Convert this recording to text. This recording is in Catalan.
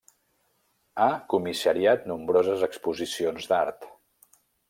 Ha comissariat nombroses exposicions d'art.